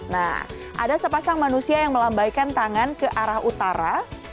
nah ada sepasang manusia yang melambaikan tangan ke arah utara